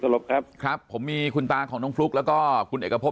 ลบครับครับผมมีคุณตาของน้องฟลุ๊กแล้วก็คุณเอกพบ